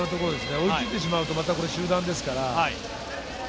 追いついてしまうと集団ですから。